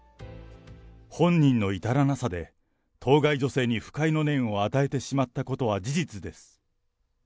本人の至らなさで、当該女性に不快の念を与えてしまったことは事実です。